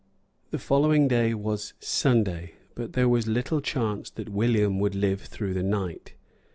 The following day was Sunday. But there was little chance that William would live through the night.